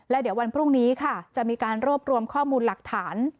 และเดี๋ยววันพรุ่งนี้ค่ะจะมีการรวบรวมข้อมูลหลักฐาน